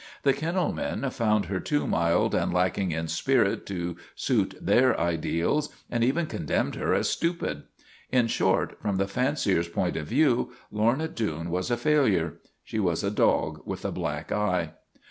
The kennel men found her too mild and lacking in spirit to suit their ideals and even condemned her as stupid. In short, from the fancier's point of view, Lorna Doone was a failure. She was a dog with a black eye.